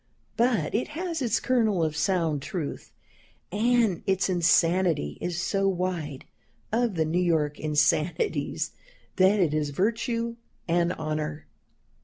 But it has its kernel of sound truth, and its insanity is so wide of the New York insanities that it is virtue and honor."